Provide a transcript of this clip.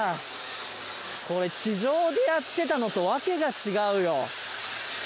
これ地上でやってたのとわけが違うよ！